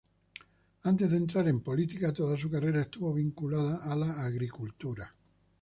Antes de entrar en política, toda su carrera estuvo vinculada a la agricultura.